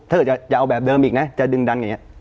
ถ้าจะเอาแบบเดิมอีกนะจะดึงดันอย่างนี้